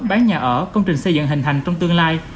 bán nhà ở công trình xây dựng hình thành trong tương lai